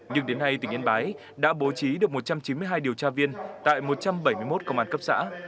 nhưng đến nay tỉnh yên bái đã bố trí được một trăm chín mươi hai điều tra viên tại một trăm bảy mươi một công an cấp xã